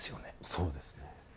そうですね。